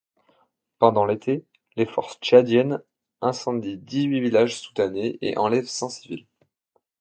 Pendant l'été, les forces tchadiennes incendient dix-huit villages soudanais et enlèvent cent civils.